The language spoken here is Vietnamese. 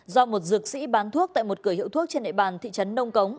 do một dược sĩ bán thuốc tại một cửa hiệu thuốc trên địa bàn thị trấn nông cống